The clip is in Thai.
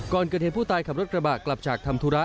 ก่อนเกิดเหตุผู้ตายขับรถกระบะกลับจากทำธุระ